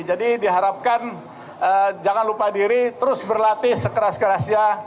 jadi diharapkan jangan lupa diri terus berlatih sekeras kerasnya